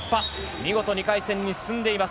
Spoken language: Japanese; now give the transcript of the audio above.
見事２回戦に進んでいます。